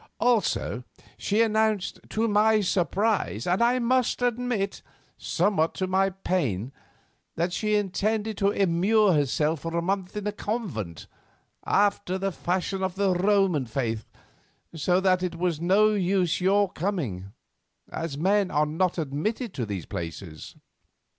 Also she announced, to my surprise, and, I must admit, somewhat to my pain, that she intended to immure herself for a month in a convent, after the fashion of the Roman faith, so that it was no use your coming, as men are not admitted into these places.